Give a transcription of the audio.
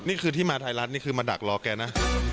นี่คือที่มาไทยรัฐนี่คือมาดักรอแกนะ